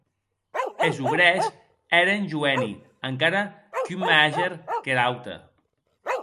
Es obrèrs èren joeni, encara qu’un màger qu’er aute.